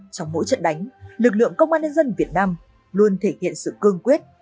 trong mỗi trận đánh lực lượng công an nhân dân việt nam luôn thể hiện sự cương quyết